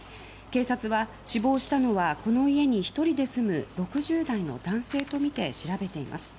警察は、死亡したのはこの家に１人で住む６０代の男性とみて調べています。